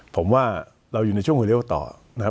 ผมว่าเราอยู่ในช่วงเวลาต่อนะครับ